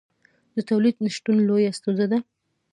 د تولید نشتون لویه ستونزه ده.